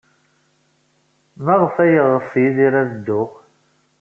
Maɣef ay yeɣs Yidir ad dduɣ?